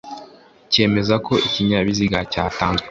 cyemeza ko ikinyabiziga cyatanzwe